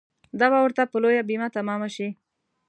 دا به ورته په لویه بیه تمامه شي.